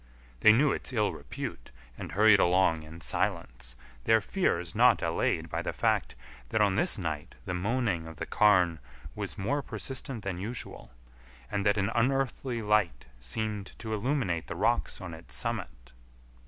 They knew its ill repute and hurried along in silence, their fears not allayed by the fact that on this night the moaning of the Carn was more persistent than usual, and that an unearthly light seemed to illuminate the rocks on its summit.